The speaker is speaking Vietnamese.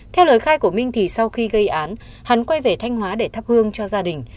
theo lời khai của minh thì sau khi gây án hắn quay về thanh hóa để thắp hương cho gia đình